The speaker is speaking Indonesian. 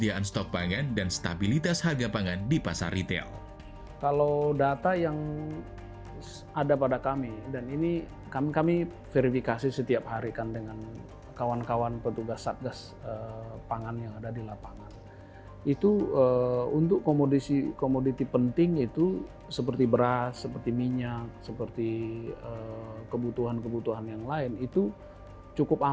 doakanlah garda terdepan kita